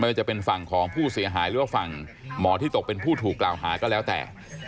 ว่าจะเป็นฝั่งของผู้เสียหายหรือว่าฝั่งหมอที่ตกเป็นผู้ถูกกล่าวหาก็แล้วแต่